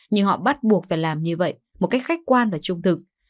nhưng họ bắt buộc phải làm như vậy một cách khách quan và trung thực